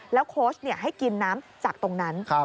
แล้วคุณพ่อให้กินน้ำจากตรงนั้น